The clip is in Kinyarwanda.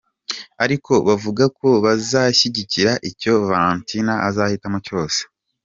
Ariko bavuga ko bazashyigikira icyo Valentina azahitamo cyose.